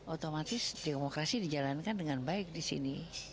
otomatis demokrasi dijalankan dengan baik di sini